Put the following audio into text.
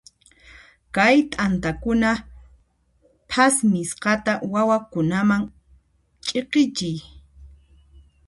Kay t'antakuna phasmisqata wawakunaman ch'iqichiy.